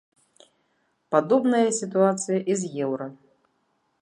Падобная сітуацыя і з еўра.